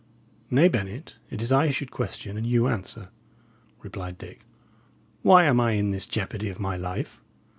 "Nay, Bennet, it is I should question and you answer," replied Dick. "Why am I in this jeopardy of my life?